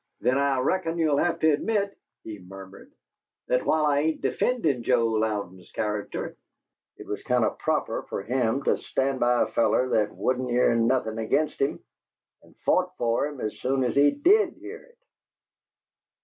"Then I reckon you'll have to admit," he murmured, "that, while I ain't defendin' Joe Louden's character, it was kind of proper for him to stand by a feller that wouldn't hear nothin' against him, and fought for him as soon as he DID hear it!"